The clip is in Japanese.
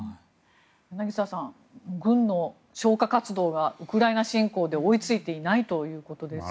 柳澤さん、軍の消火活動がウクライナ侵攻で追いついていないということです。